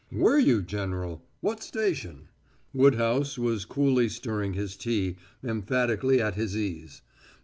"Were you, General? What station?" Woodhouse was coolly stirring his tea, emphatically at his ease.